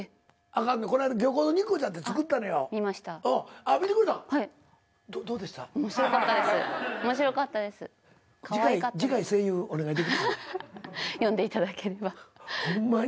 あははは呼んでいただければ。